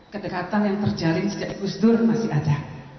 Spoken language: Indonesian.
kedekatan yang terjalin sejak gus dur masih ada